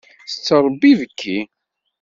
Tettṛebbi ibekki.